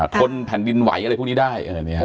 ทนแผ่นดินไหวอะไรพวกนี้ได้